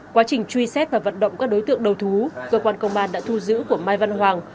quá trình truy xét và vận động các đối tượng đầu thú cơ quan công an đã thu giữ của mai văn hoàng